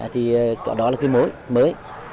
thì đó là cái mối mới